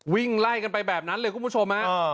วิ่งไล่กันไปแบบนั้นเลยคุณผู้ชมฮะ